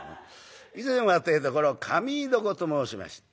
以前はってえとこの髪結床と申しました。